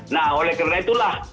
nah oleh karena itulah